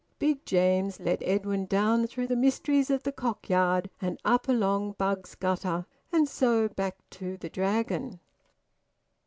Big James led Edwin down through the mysteries of the Cock Yard and up along Bugg's Gutter, and so back to the Dragon.